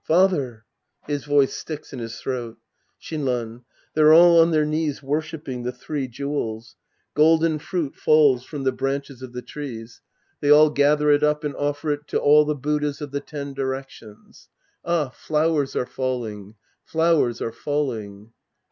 Father ! {His voice sticks in his throat!) Shinran. They're all on their knees worshiping the three jewels. Golden fruit falls from the branches 244 The Priest and His Disciples Act VI of the trees. They all gather it up and offer it to all the Buddhas of the ten directions. Ah, flowers are falling. Flowers are falling.